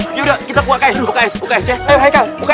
cepetan dong kita diapain kik